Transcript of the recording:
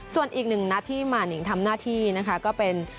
ส่วนอีกหนึ่งนัดที่หมานิงทำหน้าที่นะคะก็เป็น